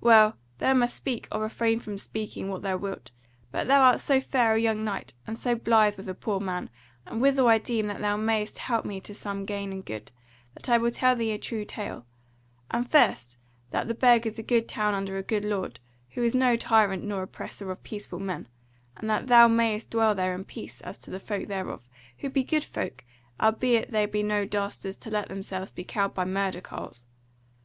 Well, thou must speak, or refrain from speaking, what thou wilt; but thou art so fair a young knight, and so blithe with a poor man, and withal I deem that thou mayest help me to some gain and good, that I will tell thee a true tale: and first that the Burg is a good town under a good lord, who is no tyrant nor oppressor of peaceful men; and that thou mayest dwell there in peace as to the folk thereof, who be good folk, albeit they be no dastards to let themselves be cowed by murder carles.